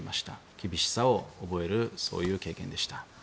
厳しさを覚えるそういう経験でした。